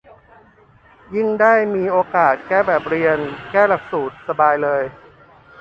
ยิ่งได้มีโอกาสแก้แบบเรียน แก้หลักสูตร สบายเลย